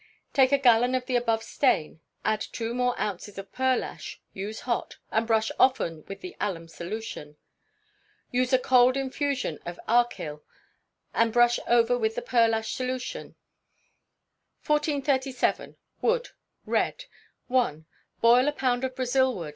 ii. Take a gallon of the above stain, add two more ounces of pearlash; use hot, and brush often with the alum solution. iii. Use a cold infusion of archil, and brush over with the pearlash solution used for No. 1434. 1438. Imitation of Rosewood.